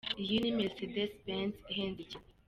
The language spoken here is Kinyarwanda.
Iyi ni Mercedes Benz ihenze cyane.